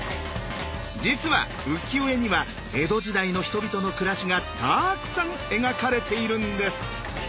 実は浮世絵には江戸時代の人々の暮らしがたくさん描かれているんです。